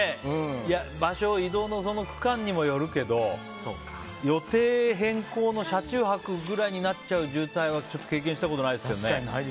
場所、移動の区間にもよるけど予定変更の車中泊ぐらいになっちゃう渋滞は、ちょっと経験したことないですけどね。